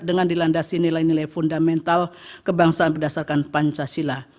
dengan dilandasi nilai nilai fundamental kebangsaan berdasarkan pancasila